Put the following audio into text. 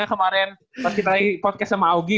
kemarin pas kita podcast sama augie